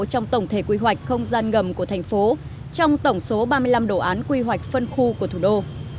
trong tổng thể quy hoạch không gian ngầm của thành phố trong tổng số ba mươi năm đồ án quy hoạch phân khu của thủ đô